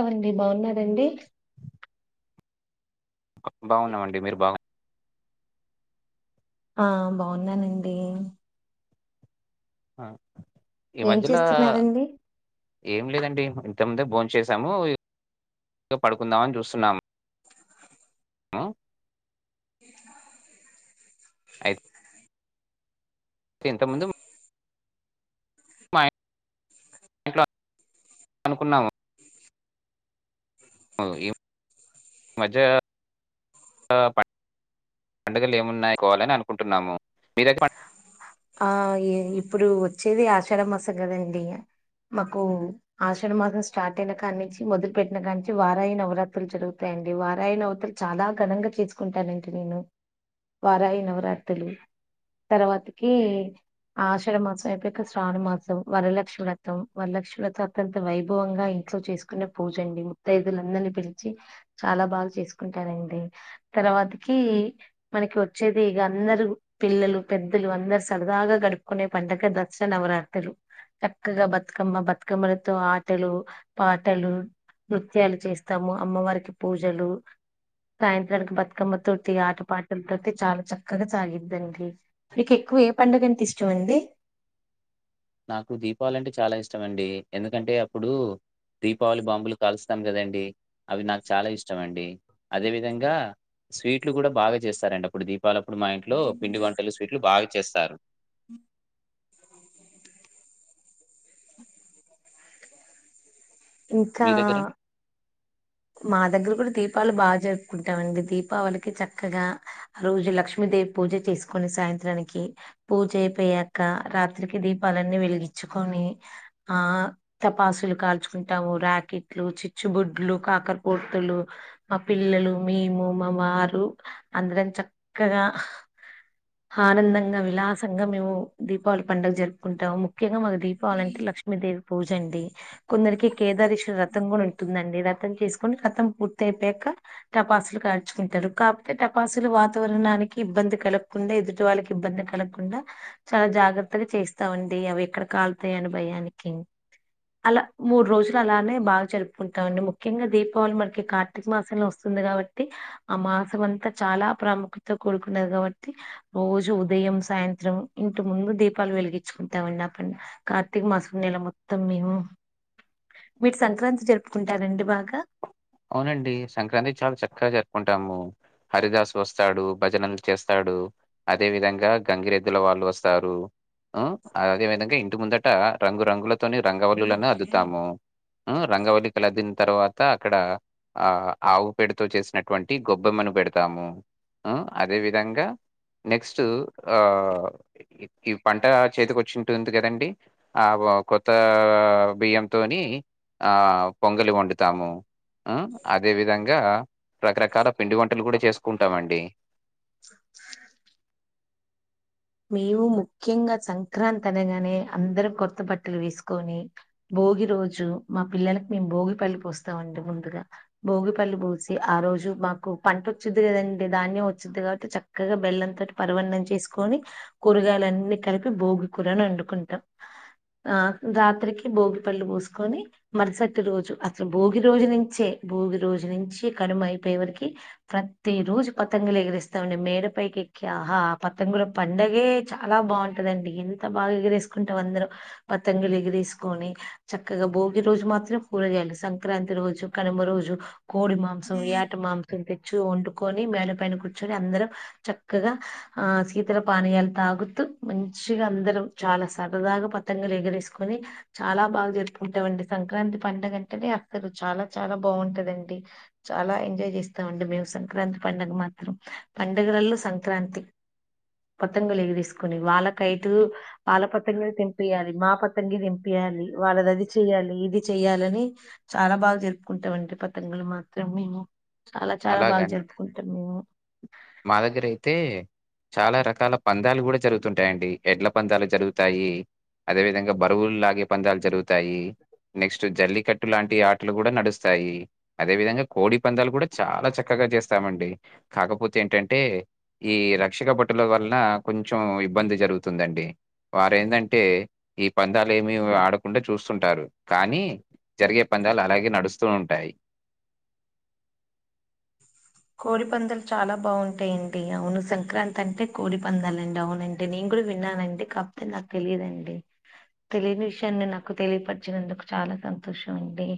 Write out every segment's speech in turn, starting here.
ఆ అండి బావున్నారండి క్ బావున్నామండి మీరు బావు ఆ బావున్నానండి ఆ ఈ ఏం మధ్యలో చేస్తున్నారండి ఏం లేదండి ఇంత ముందే భోం చేసాము ఇగ పడుకుందాం అని చూస్తున్నాం అ అయి తె ఇంతముందు మాయ్ ఇక్కడ అనుకున్నాము అగు ఈ మధ్యా ఆ ప పండుగలు ఏమున్నాయి కోవాలని అనుకుంటున్నాము మీ దగ్గర ప ఆ ఇగ ఇప్పుడు వచ్చేది ఆషాఢ మాసం కదండి ఇగ మకూ ఆషాఢ మాసం స్టార్ట్ అయిన కానుంచి మొదలు పెట్న కానుంచి వారాయి నవరాత్రులు జరుగుతాయండి వారా నవతులు చాలా ఘనంగా తీర్చుకుంటానండి నేను వారాయి నవరాత్రులు తర్వాతికీ ఆషాఢ మాసం అయపోయక శ్రాణ మాసం వరలక్ష్మి వ్రతం వరలక్ష్మి వ్రతం అత్యంత వైభవంగా ఇంట్లో చేసుకునే పూజ అండి ముత్తైదులందరినీ పిలిచి చాలా బాగా చేసుకుంటారండి తర్వాతికి మనకి వచ్చేది ఇగ అందరు పిల్లలు పెద్ దలు అందరు సరదాగా గడుపుకునే పండగ దసరా నవరాత్రలు చక్కగా బతుకమ్మ బతుకమ్మలతో ఆటలు పాటలు నృత్యాలు చేస్తము అమ్మవారికి పూజలు సాయంత్రానికి బతుకమ్మతోటి ఆట పాటలతోటి చాలా చక్కగ సాగిదండి మీకు ఎక్కువ ఏ పండుగ అంటే ఇష్టం అండి నాకు దీపావళి అంటే చాలా ఇష్టం అండి ఎందుకంటే అప్పుడు దీపావళి బాంబులు కలుస్తాం గదండి అవి నాకు చాలా ఇష్టం అండి అదే విధంగా స్వీట్లు కూడ బాగా చేస్తారండి అప్పుడు దీపావళప్పుడు మా ఇంట్లో పిండి వంటలు స్వీట్లు బాగా చేస్తరు ఇంకా మీ దగ్గరండి? మా దగ్గర కూడా దీపాలి బాగా జరుపుకుంటమండి దీపావళికి చక్కగా ఆ రోజు లక్ష్మీదేవి పూజ చేసుకొని సాయంత్రానికి పూజ అయిపోయాక రాత్రికి దీపాలన్నీ వెలిగించుకొని ఆ టపాసులు కాల్చుకుంటాము రాకిట్లు చిచ్చుబుడ్లు కా కురపు ఒత్తులు మా పిల్లలు మేము మా వారు అందరం చక్కగా హానందంగా విలాసంగా మేము దీపావళి పండుగ జరుపుకుంటము ముఖ్యంగా మాకు దీపావలంటే లక్ష్మీదేవి పూజండి కొందరికి కేదారేశ్వరా వ్రతం కూడ ఉంటుందండి వ్రతం చేసు కొని వ్రతం పూర్తయిపోయక టపాసులు కార్చుకుంటరు కాకపోతే టపాసులు వాతావరణానికి ఇబ్బంది కలగకుండా ఎదుటి వాళ్ళకి ఇబ్బంది కల కుండా చాలా జాగ్రత్తగా చేస్తమండి అవి ఎక్కడ కాల్తయని భయానికి అల మూడు రోజులు అలానే బాగా జరుపుకుంటమండి ముఖ్యంగా దీప్ వాళ్ మనకి కార్తీక మాసంలో వస్తుంది కాబట్టి ఆ మాసం అంతా చాలా ప్రాముఖ్యతో కూడుకున్నది కాబట్టి రోజు ఉదయం సాయంత్రం ఇంటి ముందు దీపాలు వెలిగించుకుంటమండి అ పండ్ కార్తీక మాసం నెల మొత్తం మేము మీకు సంక్రాంతి జరుపుకుంటరండి బాగా అవునండి సంక్రాంతి చాలా చక్కగ జరుపుకుంటాము హరిదాసు వస్తాడు భజనలు చేస్తాడు అదే విధంగా గంగిరెద్దుల వాళ్ళు వస్తారు అ అదే విధంగా ఇంటి ముందట రంగురంగులతోని రంగవల్లులను అద్దుతాము రంగవలికలు అద్దిన్ తర్వత అక్కడ ఆ ఆవుపేడితో చేసినటువంటి గొబ్బెమ్మను పెడుతాము ఉమ్ అదే విధంగా నెక్స్ట్ ఆ ఇ ఈ పంటా చేతికొచ్చి ఉంటుంది కదండి ఆ వ కొత్త బియ్యంతోని ఆ పొంగలి వండుతాము ఉమ్ అదే విధంగా రకరకాల పిండి వంటలు కూడ చేసుకుంటామండి మేము ముఖ్యంగా సంక్రాంతి అనగనే అందరం కొత్త బట్టలు వేసుకొని భోగి రోజు మా పిల్లలలకు మేము భోగిపల్లి పోస్తామండి ముందుగా భోగిపళ్ళు పోసి ఆ రోజు మాకు పంట వచ్చిది గదండి ధాన్యం వచ్చిది కాబట్టి చక్ క్కగా బెల్లంతోటి పరువన్నం చేసుకొని కూరగాయలన్నీ కలిపి భోగి కూరని అండుకుంటం ఆ రాత్రికి భోగిపళ్లి పూస్కొని మర్సటి రోజు అసల్ భోగి రోజు నుంచే భోగి రోజు నుంచి కనుమయిపోయేవర్కి ప్రతి రోజు పతగ్లేగిరెస్తామండి మేడ పైకి ఎక్కి ఆహా పతంగుల పండగే చాలా బాగుంటదండి ఎంత బాగా ఎగ్రెస్కుంటాం అద్రం పతంగులేగరేస్కొని చక్కగా భోగి రోజు మాత్రం కూర చేయాలి సంక్రాంతి రోజు కనుమ రోజు కోడిమా సో యాట్ మంద్ తినిపిచ్చు ఒండుకొని మేడ పైన కూర్చొని అందరం చక్కగా ఆ సీ తల పానీయాల్ తాగుతూ మంచిగా అందరం చాలా సరదాగా పతంగలు ఎగరేసుకొని చాలా బాగా జరుపుకుంటామండి. సంక్రాంతి పండుగ అంటేనే అసలు చాలా చాలా బాగుంటాదండి. చాలా ఎంజాయ్ చేస్తామండి మేము సంక్రాంతి పండుగ మాత్రం. పండుగలలో సంక్రాంతి. పతంగులు ఎగురేస్కొని వాళ్ళకైటూ అలా పతంగ్లే తెంపియాలి మా పత్తంగి తెంపియాలి వాళ్ళది అది చెయ్యాలి ఇది చెయాలని చాలా బాగా జరుప్కుంటాండి పతంగుల్ మాత్రం మేము చాలా చాలా బాగా అలాగని జరుప్కుంటాం మేము మా దగ్గర అయితే చాలా రకాల పంధ్యాలు కూడా జరుగు తుంటాయండి ఎడ్ల పంధ్యాలు జరుగుతాయి అదేవిధంగా బరువులు లాగే పందాలు జరుగుతాయి. నెక్స్ట్ జల్లికట్టు లాంటి ఆటలు కూడా నడుస్తాయి. అదే విధంగా కోడి పంద్యాలు కూడ చాలా చక్కగా జేస్తామండి కాకపో తేన్ టాంటే ఈ రక్షక బటుల వల్నా కొంచం ఇబ్బంది జరుగుతుందండి వారు ఎందంటే ఈ పందాలు ఏమి ఆడకుండా చూసుంటారు కానీ జరిగే పందాలు అలాగే నడుస్తూ ఉంటాయి కోడి పందలు చాలా బాగుంటాయిడి అవును సంక్రాంతి అంటే కోడి పందాల అండి అవునండి అంటే నేను కూడా విన్నానండి కాకపోతే నాకు తెలియదండి తెలియని విషయాన్ని నాకు తెలియపరచినందుకు చాలా సంతోషం అండి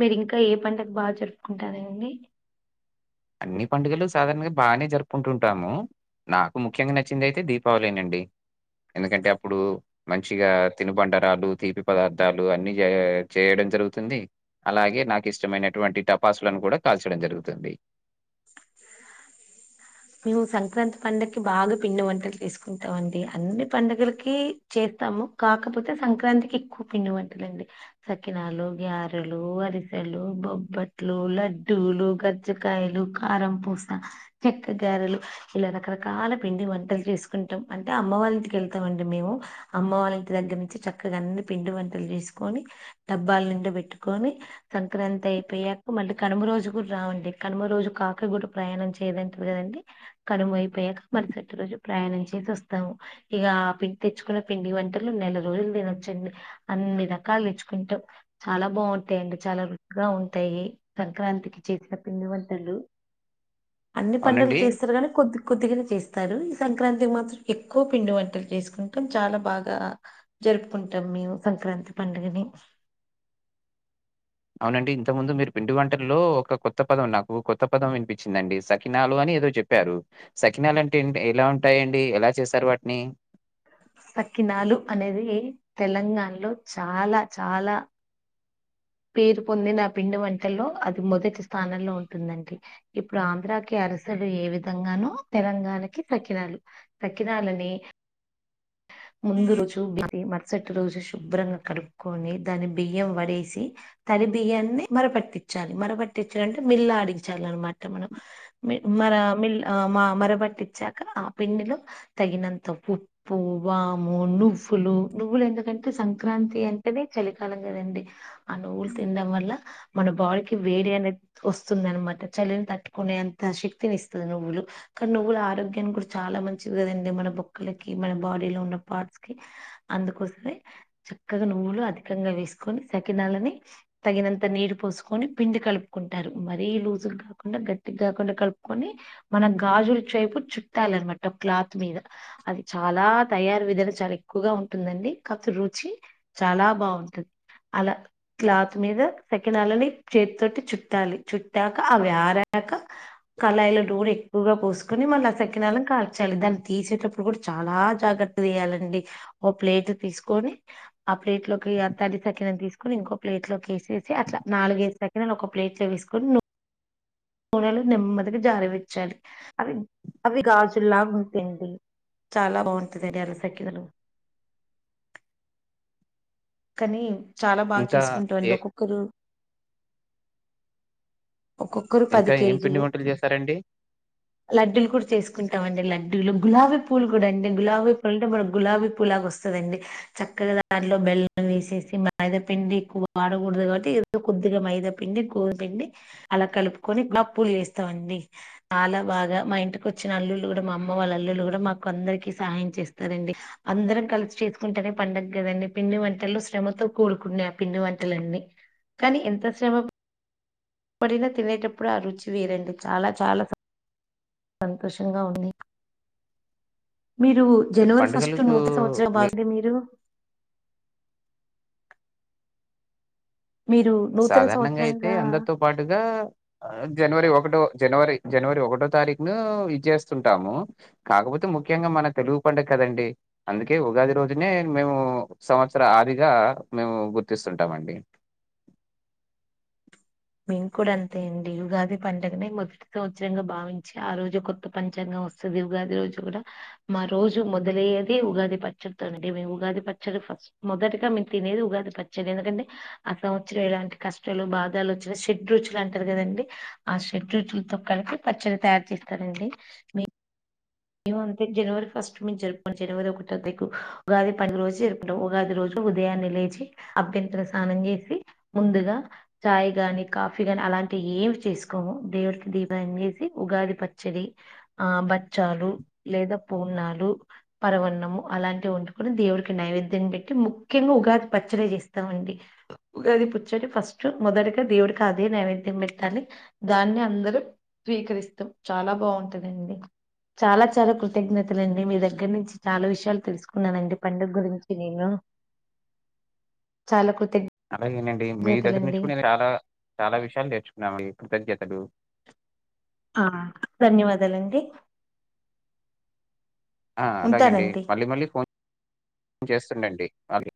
మీరు ఇంకా ఏ పండాగ్ బా జరుప్కుంటార అండి అన్ని పండుగలు సాధారణంగా బాగానే జరుపుకుంటుంటాము నాకు ముఖ్యంగా నచ్చింది అయితే దీపావలేనండి ఎందుకంటే అప్పుడు మంచిగా తినుబండరాలు తీపి పదార్థాలు అన్ని చే చేయడం జరుగుతుంది. అలాగే నాకు ఇష్టమైనటువంటి టపాసులను కూడా కాల్చడం జరుగుతుంది మేము సంక్రాంతి పంండగకి బాగా పిండి వంటలు తీసుకుంటామ అండి అన్ని పండుగలకి చేతము కాకపోతే సంక్రాంతికి ఎక్కు పిండి వంటదండి సకినాలు గ్యారెలు అరిసెలు బొబ్బట్లు లడ్డూలు గజ్జేకాయలు కారం పూసా చెక్క గారెలు ఇలా రకరకాల పిండి వంటల్ చేస్కుంటాం అంటే అమ్మవల్ల ఇంటికెళ్తాం అండి మేము అమ్మ వాళ్ంటి దగ్గర నుంచి చక్కగా అన్ని పిండి వంటలు జెస్కొని డబ్బాల్ నిండా బెట్టుకొని సంక్రాంతి అయిపోయాక మళ్ళీ కనుమ రోజు కూడా రావండి కనుమ రోజు కాక కనుమ కూడా ప్రయాణం చేయదంటవి కదండి కనుమ అయిపోయాక మరుసటి రోజు ప్రయాణం చేసి వస్తాము ఇగ పిపిచ్చుకొని పిండి వంటలు నెల రోజులు దినొచ్చండి అన్ని రకాలు తెచ్చుకుంటాం చాలా బాగుంటాయండీ చాలా రుచిగా ఉంటాయి సంక్రాంతికి చేసిన పిండి వంటలు అన్ని పండగలు అవునండి. చెస్రూ గానీ కొద్ది కొద్దిగానే చేస్తారు ఈ సంక్రాంతికి మాత్రం ఎక్కువ పిండి వంటలు చేస్కుంటాం చాలా బాగా జరుపుకుంటాం మేము సంక్రాంతి పండుగని అవునండి ఇంత ముందు మీరు పిండి వంటల్లో ఒక కొత్త పదం నాకు కొత్త పదం వినిపించిందండి సకినాలు అని ఏదో జెప్ ప్పారు సకినాలు అంటే ఏంటి ఎలా ఉంటాయండి ఎలా చేశారు వాటిని సాక్కినాలు అనేదీ తెలంగాణలో చాలా చాలా పేరు పొందినా పిండి వంటల్లో అది మొదటి స్థానంలో ఉంటుందండి ఇప్పుడు ఆంధ్రాకి అరిసెలు ఏ విధంగానో తెలంగాణకి సకిరాలు సకినాలని ముందు రోజు బి మరుసటి రోజు శుభ్రంగా కడుపుకొని దాని బియ్యం వడేసి తరి బియ్యాన్ని మరపట్టించాలి మరపట్టించాలంటే మిల్ల ఆడిగించాలి అనమాట మనం మి మర మిల్ ఆ మా మరబట్టిచ్చాక ఆ పిండిలో తగినంత ఉప్పు ప్పు వాము నువ్వులు నువ్వులు ఎందుకంటే సంక్రాంతి అంటేనే చలికాలం కదండి ఆ నువ్వులు తినడం వల్ల మన బాడీకి వేడి అనేద్ వస్తుందనమాట చలిని తట్టుకునే అంత శక్తినిస్తుంది నువ్వులు కానీ నువ్వులు ఆరోగ్యానికి కూడా చాలా మంచిది కదండి మన బొక్కలకి కి మన బాడీ లో ఉన్న పార్ట్స్ కి అందుకోసమే చక్కగా నువ్వులు అధికంగా వేసుకొని సకినాలని తగినంత నీరు పోసుకొని పిండి కలుపుకుంటారు మరీ లూజుగా కాకుండా గట్టిగా కాకుండా కలుపుకొని మన గాజుల చేేపు చుట్టాలనమాట క్లాత్ మీద అది చాలా తయారు విధాలు చాలా ఎక్కువగా ఉంటుందండి కాపోతే రుచి చాలా బాగుంటది అలా క్లాత్ మీద సకినాలని చేతితోటి చుట్టాలి చుట్టాక అవి ఆరాక కళాయిల నూనె ఎక్కువగా పోసుకొని మళ్ళ సకినాలని కాల్చాలి దాన్ని తీసేటప్ ప్పుడు కూడా చాలా జాగ్రత్త తీయాలండి ఓ ప్లేట్ తీసుకొని ఆ ప్లేట్ లోకి ఆ తడి సకిన తీసుకొని ఇంకో ప్లేట్ లోకి ఏసి ఏసి అట్లా నాలుగైదు సకినలు ఒక ప్లేట్ లో వేసుకొని ను నూనె లో నెమ్మదిగా జారవిడచాలి అవి అవి గాజులాగా ఉంటాయండి చాలా బాగుంటదండి ఆ రోజు సకినలు కానీ చాలా బాగా ఇంకా చేసుకుంటరండి ఏ ఒక్కొక్కరు ఒక్కొక్కరు పది ఇంకా ఏం పిండి కేజీలు వంటలు చేశారండి? లడ్డులు కూడా చేసుకుంటాం అండి లడ్డూలు గులాబీ పూలు కూడా అండి గులాబీ పూలంటే మన గులాబీ పూలాగా వస్త్ స్తదండి చక్కగా దాంట్లో బెల్ అన్ని ఏసేసి మైదాపిండి ఎక్వ వాడకూడదు కాబట్టి ఏదో కొద్దిగా మైదాపిండి గోదిపిండి అలా కలుపుకొని గులాబ్ పూలు ఏస్తామండి చాలా బాగా మా ఇంటికి వచ్చిన అల్లులు కూడా మా అమ్మ వాళ్ళ అల్లులు కూడా మాకు అందరికి సహాయం చేస్తారండి అందరం కలిసి చేసుకుంటేనే పండగ కదండి పిండి వంట టలు శ్రమతో కూడుకునే ఆ పిండి వంటలన్నీ కానీ ఎంత శ్రమ పడిన తినేటప్పుడు ఆ రుచి వేరండి చాలా చాలా సంతోషంగా ఉంది మీరు జనవరి ఫస్ట్ పండుగలకు నూత సంవత్సరం మీ బాగుంది మీరు మీరు నూతన సంవత్సరంగా పండుగా ఆ జనవరి ఒకటో జనవరి జనవరి ఒకటో తారీఖు ను ఇది జేస్తుంటాము కాకపోతే ముఖ్యంగా మన తెలుగు పండుగ కదండి అందుకే ఉగాది రోజునే మేము సంవత్సర ఆదిగా మేము గుర్తిస్తుంటామండి మేం కూడా అంతే అండి ఉగాది పండగనే [unintelligible] సంవత్సరంగా భావించి ఆ రోజు కొత్త పంచాంగం వస్తుంది ఉగాది రోజు కూడా మా రోజు మొదలయ్యేది ఉగాది పచ్చడితో అండి మేము ఉగాది పచ్చడి ఫస్ట్ మొదటిగా మేము తినేది ఉగాది పచ్చడే ఎందుకంటే ఆ సంవత్సరం ఎలాంటి కష్టాలు బాధలు వచ్ షడ్రుచులు అంటారు కదండి ఆ షడ్రుచులతో కలిపి పచ్చడి తయారు చేస్తారండి మేమ అంతే జనవరి ఫస్ట్ ను జరుపుకోం జనవరి ఒకటో తారీఖు కు ఉగాది పండుగ రోజు జరుపు ఉగాది రోజు ఉదయాన్నే లేచి అభ్యంగన స్నానం చేసి ముందుగా చాయ్ గాని కాఫీ గాని అలాంటివి ఏమి తీసుకోము దేవునికి దీపంగేసి ఉగాది పచ్చడి ఆ బచ్చాలు లేదా పూర్ణాలు పరవన్నము అలాంటివి వండుకొని దేవుడికి నైవేద్యం పెట్టి ముఖ్యంగా ఉగాది పచ్చడి చేస్తామండి ఉగాది పచ్చడి ఫస్ట్ మొదటిగా దేవుడికి అదే నైవేద్యం పెట్టాలి దాన్ని అందరూ స్వీకరిస్తాం చాలా బాగుంటందండి చాలా చాలా కృతజ్ఞతలండి మీ దగ్గర నుంచి చాలా విషయాలు తెలుసుకున్నానండి పండుగ గురించి నేను చాలా కృతజ్ఞ అలాగేనండి మీ దగ్గర నుంచి కూడా నే చాలా చాలా విషయాలు నేర్చుకున్నానండి కృతజ్ఞతలు ఆ ధన్యవాదాలండి ఆ అలాగేనండి ఉంటానండి మళ్ళీ మళ్ళీ ఫోన్ చేస్తుండండి మళ్ళీ